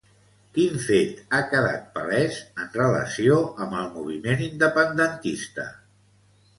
Quin fet ha quedat palès en relació amb el moviment independentista?